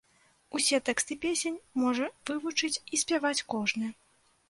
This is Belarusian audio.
Усе тэксты песень можа вывучыць і спяваць кожны.